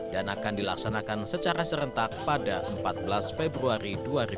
dan akan dilaksanakan secara serentak pada empat belas februari dua ribu dua puluh empat